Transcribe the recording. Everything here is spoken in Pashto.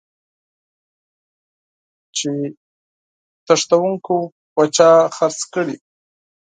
چې قاچاقبرو په چا خرڅ کړی.